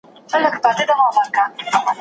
زموږ د بخت پر تندي ستوری دا منظور د کردګار دی